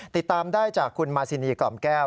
ติดตามได้จากคุณมาซินีกล่อมแก้ว